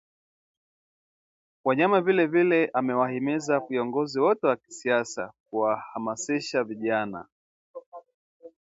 Wanyama vilevile amewahimiza viongozi wote wa kisiasa kuwahamasisha vijana